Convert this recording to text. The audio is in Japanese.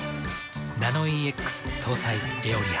ナノイーＸ搭載「エオリア」。